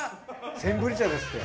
センブリ茶ですって。